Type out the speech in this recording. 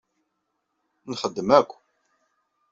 Nxeddem akk.